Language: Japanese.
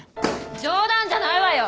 冗談じゃないわよ！